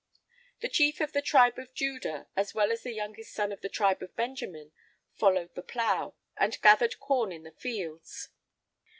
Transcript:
The chief of the tribe of Judah as well as the youngest son of the tribe of Benjamin followed the plough, and gathered corn in the fields.